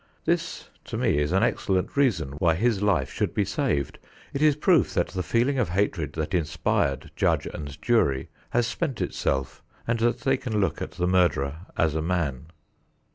This to me is an excellent reason why his life should be saved. It is proof that the feeling of hatred that inspired judge and jury has spent itself and that they can look at the murderer as a man.